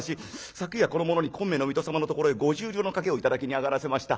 昨夜この者に小梅の水戸様のところへ５０両の掛けを頂きに上がらせました。